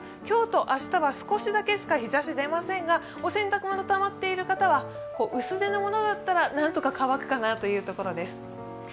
今日と明日は少しだけしか日ざしが出ませんがお洗濯物、たまっている方は薄手のものだったら何とか乾くかなというところです。